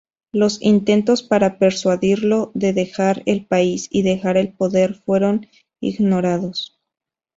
Los intentos para persuadirlo de dejar el país y dejar el poder fueron ignorados.